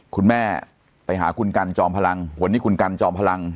คุณแม่ไปหาคุณกันจอมพลังวันนี้คุณกันจอมพลัง